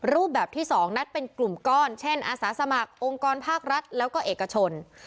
รูปแบบที่๒นัดเป็นกลุ่มก้อนเช่นอาสาสมัครองค์กรภาครัฐแล้วก็เอกชน